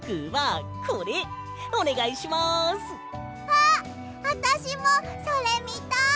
あたしもそれみたい！